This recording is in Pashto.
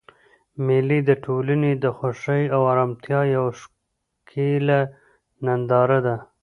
مېلې د ټولنې د خوښۍ او ارامتیا یوه ښکلیه ننداره ده.